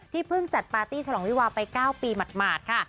เพิ่งจัดปาร์ตี้ฉลองวิวาไป๙ปีหมาดค่ะ